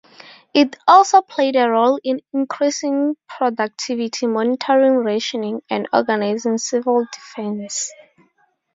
It also played a role in increasing productivity, monitoring rationing, and organizing civil defense.